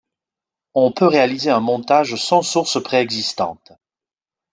On peut réaliser un montage sans sources préexistantes.